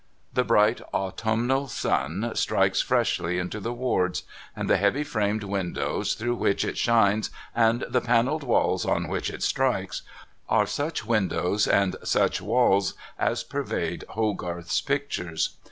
The bright autumnal sun strikes freshly into the wards ; and the heavy framed windows through which it shines, and the panelled walls on which it strikes, are such windows and such walls as pervade Hogarth's pictures.